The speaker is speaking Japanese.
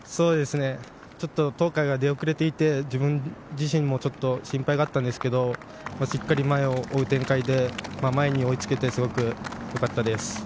ちょっと東海が出遅れていて自分自身も心配があったんですけどしっかり前を追う展開で追いつけてすごく良かったです。